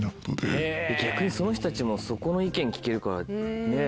逆にその人たちもそこの意見聞けるからねうれしいよね。